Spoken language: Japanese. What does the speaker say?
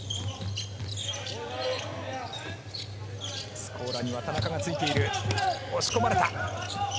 スコーラには田中がついている、押し込まれた。